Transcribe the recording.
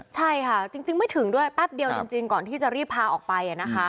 ใช่ค่ะจริงไม่ถึงด้วยแป๊บเดียวจริงก่อนที่จะรีบพาออกไป